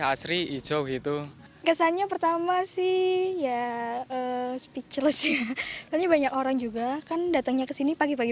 hasri hijau itu kesannya pertama sih ya spikulasi banyak orang juga kan datangnya kesini pagi pagi